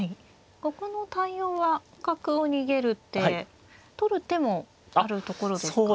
ここの対応は角を逃げる手取る手もあるところですか。